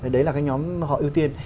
đấy là cái nhóm họ ưu tiên